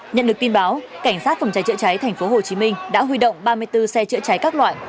nhận được tin báo cảnh sát phòng cháy chữa cháy tp hcm đã huy động ba mươi bốn xe chữa cháy các loại